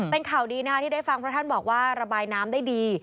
เป็นข่าวดีนะคะที่ได้ฟังเพราะท่านบอกว่าระบายน้ำได้ดี